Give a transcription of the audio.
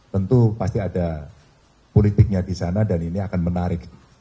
tentu pasti ada politiknya di sana dan ini akan menarik